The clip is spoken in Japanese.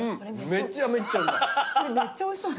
めちゃめちゃうまい。